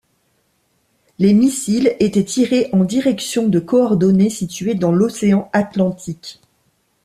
Les missiles étaient tirés en direction de coordonnées situées dans l'océan Atlantique.